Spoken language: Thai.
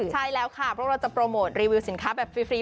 ใช่แล้วค่ะเพราะเราจะโปรโมทรีวิวสินค้าแบบฟรี